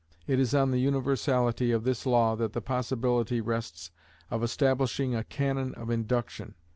It is on the universality of this law that the possibility rests of establishing a canon of Induction.